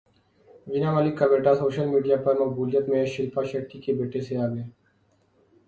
وینا ملک کا بیٹا social media پر مقبولیت میں شلپا شیٹھی کے بیٹے سے آگے